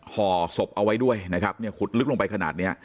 ห่อศพเอาไว้ด้วยนะครับเนี่ยขุดลึกลงไปขนาดเนี้ย